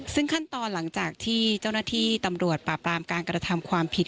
ซึ่งขั้นตอนหลังจากที่เจ้าหน้าที่ตำรวจปราบรามการกระทำความผิด